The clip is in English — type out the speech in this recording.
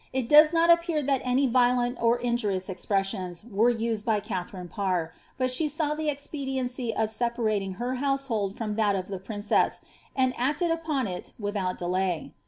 not appear that any violent or injurious expressions were used Katharine, but she saw the expediency of separating her from that of the princess, and acted upon it without delay.